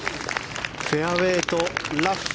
フェアウェーとラフ。